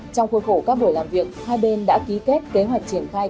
trong khuôn khổ các buổi làm việc hai bên đã ký kết kế hoạch triển khai